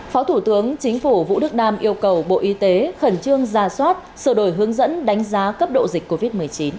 phó thủ tướng chính phủ vũ đức đam yêu cầu bộ y tế khẩn trương ra soát sửa đổi hướng dẫn đánh giá cấp độ dịch covid một mươi chín